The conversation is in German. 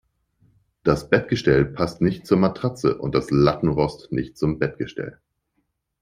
Das Bettgestell passt nicht zur Matratze und das Lattenrost nicht zum Bettgestell.